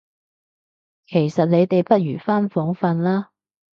其實你哋不如返房訓啦